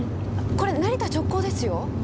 これ成田直行ですよ！？